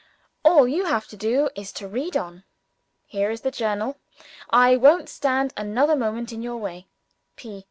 All you have to do is to read on. Here is the journal. I won't stand another moment in your way.